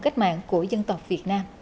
cách mạng của dân tộc việt nam